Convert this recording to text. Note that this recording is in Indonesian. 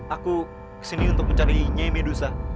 aku kesini untuk mencari nyay medusa